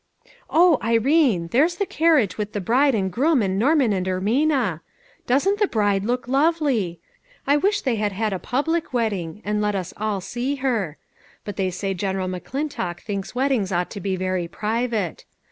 " O Irene, there's the carriage with the bride and groom and Norman and Ermina. Doesn't the bride look lovely ! I wish they had had a public wedding and let us all see her ! But they say General McClintock thinks weddings ought to be very private.